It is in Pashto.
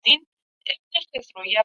قومي نهضتونه راپورته سول